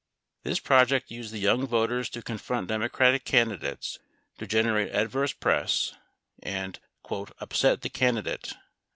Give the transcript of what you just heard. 12 This project used the Young Voters to confront democratic candidates, to generate adverse press, and "up set the candidate."